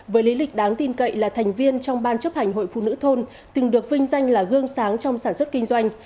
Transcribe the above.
với lý lịch đáng tin cậy là thành viên trong ban chấp hành hội phụ nữ thôn từng được vinh danh là gương sáng trong sản xuất kinh doanh